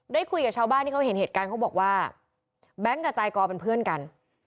คุยกับชาวบ้านที่เขาเห็นเหตุการณ์เขาบอกว่าแบงค์กับใจกอเป็นเพื่อนกัน